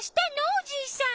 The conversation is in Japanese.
おじいさん。